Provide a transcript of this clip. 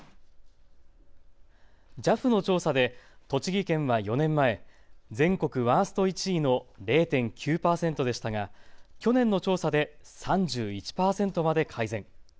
ＪＡＦの調査で栃木県は４年前、全国ワースト１位の０．９％でしたが去年の調査で３１％まで改善。